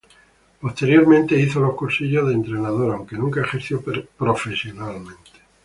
Posteriormente hizo los cursillos de entrenador, aunque nunca ejerció profesionalmente.